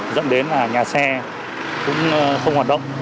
dẫn đến là nhà xe cũng không hoạt động